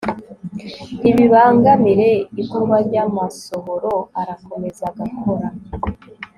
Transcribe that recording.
ntibibangamire ikorwa ry'amasohoro arakomeza agakora